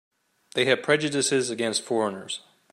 They have prejudices against foreigners.